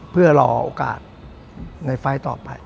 เพื่อรอโอกาสในไฟล์ต่อไป